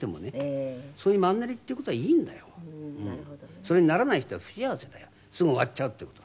それにならない人は不幸せだよすぐ終わっちゃうっていう事は。